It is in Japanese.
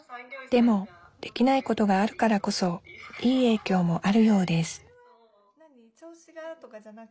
でもできないことがあるからこそいい影響もあるようです何？